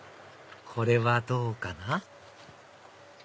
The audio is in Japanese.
これはどうかな？